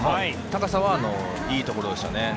高さはいいところでしたね。